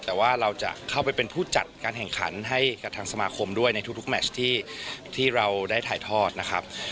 แต่ว่าเราจะเข้าไปเป็นผู้จัดการแข่งขันให้กับทางสมาคมด้วยในทุกแมชที่เราได้ถ่ายทอดนะครับ